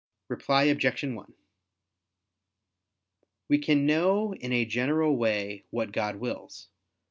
Reply Obj. 1: We can know in a general way what God wills.